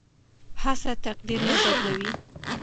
هڅه تقدیر نه بدلوي.